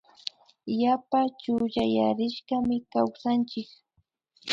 Yapa chullayarishkami kawsanchik